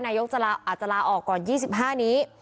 อาจจะลาออกก่อน๒๕นี้